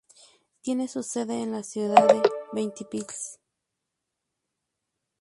Tiene su sede en la ciudad de Ventspils.